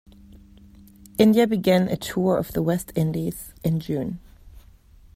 India began a tour of the West Indies in June.